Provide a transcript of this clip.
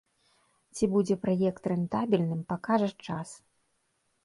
Ці будзе праект рэнтабельным, пакажа час.